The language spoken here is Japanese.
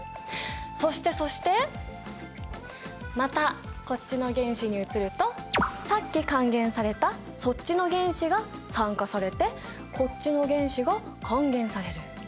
そしてそしてまたこっちの原子に移るとさっき還元されたそっちの原子が酸化されてこっちの原子が還元されるうん。